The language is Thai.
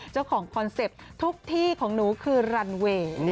คอนเซ็ปต์ทุกที่ของหนูคือรันเวย์